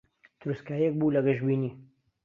تروسکایییەک بوو لە گەشبینی